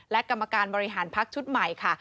และกรรมการบริหารพักชุดใหม่ค่ะ